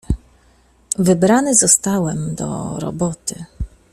"Wybrany zostałem do „roboty“."